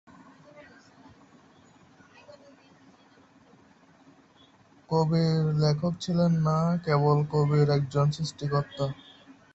কবীর লেখক ছিলেন না কেবল, কবীর একজন সৃষ্টিকর্তা।